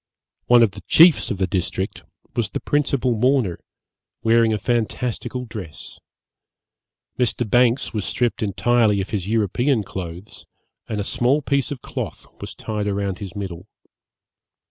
One of the chiefs of the district was the principal mourner, wearing a fantastical dress. Mr. Banks was stripped entirely of his European clothes, and a small piece of cloth was tied round his middle.